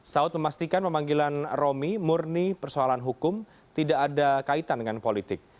saud memastikan memanggilan romi murni persoalan hukum tidak ada kaitan dengan politik